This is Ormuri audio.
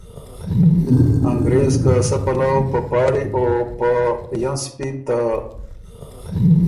انګرېز که سۀ پلؤ په پاړی او په ینسپی ته